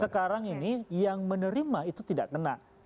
sekarang ini yang menerima itu tidak kena